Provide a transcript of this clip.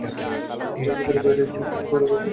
লজিকের বাইরে এক চুলও কারোর যাবার ক্ষমতা নেই।